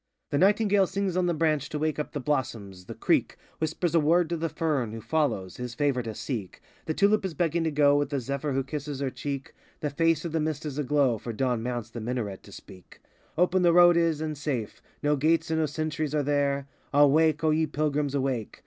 The nightingale sings on the branch To wake up the blossoms; the creek Whispers a word to the fern, Who follows, his favor to seek; The tulip is begging to go With the zephyr who kisses her cheek; 85 The face of the Mist is a glow, For Dawn mounts the Minaret to speak: Open the v road is, and safe ; No gates and no sentries are there ; Awake, O ye Pilgrims, aivake!